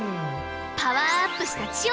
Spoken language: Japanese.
パワーアップしたちおちゃん